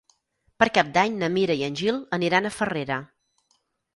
Per Cap d'Any na Mira i en Gil aniran a Farrera.